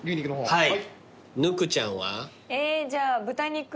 はい。